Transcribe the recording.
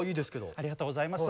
ありがとうございます。